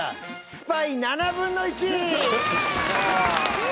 スパイ７分の１！イェイ！